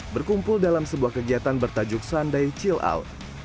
berkumpul dalam sebuah kegiatan bertajuk sunday chill out